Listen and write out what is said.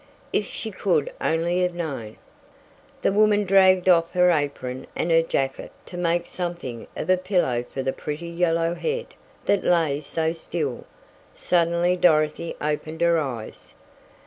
If she could only have known! The woman dragged off her apron and her jacket to make something of a pillow for the pretty yellow head, that lay so still. Suddenly Dorothy opened her eyes.